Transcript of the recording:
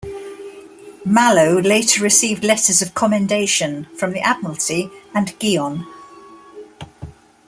"Mallow" later received letters of commendation from the Admiralty and Guyon.